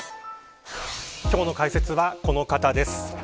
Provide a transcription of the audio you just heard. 今日の解説はこの方です。